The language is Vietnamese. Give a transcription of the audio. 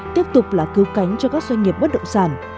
tiếp tục là cứu cánh cho các doanh nghiệp bất động sản